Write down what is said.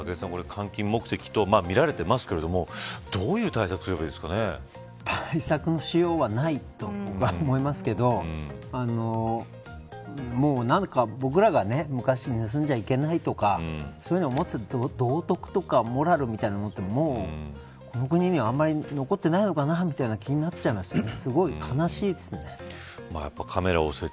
換金目的と見られてますけどどういう対策すれば対策のしようはないと思いますけど僕らが昔、盗んじゃいけないとかそういうふうに思っていた道徳とかモラルみたいなものってもうこの国にはあまり残ってないのかなみたいな気になっちゃいますね。